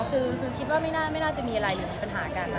คือคิดว่าไม่น่าจะมีอะไรหรือมีปัญหากัน